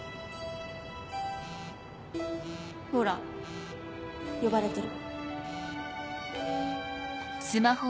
ほら呼ばれてる。